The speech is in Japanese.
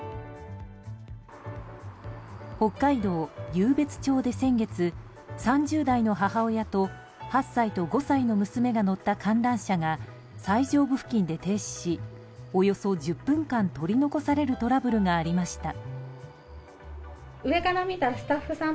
北海道湧別町で先月、３０代の母親と８歳と５歳の娘が乗った観覧車が最上部付近で停止しおよそ１０分間取り残されるトラブルがありました。